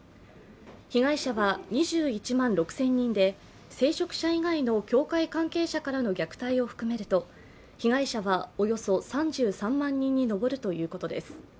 被害者は２１万６０００人で、聖職者以外の教会関係者からの虐待を含めると被害者はおよそ３３万人に上るということです。